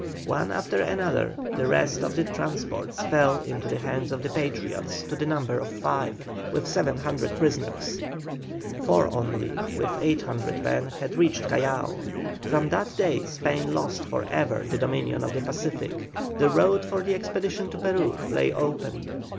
One after another the rest of the transports fell into the hands of the Patriots to the number of five, with 700 prisoners. Four only, with 800 men, had reached Callao. From that date Spain lost for ever the dominion of the Pacific. The road for the expedition to Peru lay open.